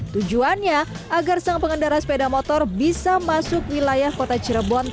tujuannya agar sang pengendara sepeda motor bisa masuk wilayah kota cirebon